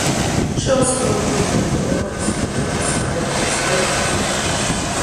She also called the medical workers who were on strike as "radical".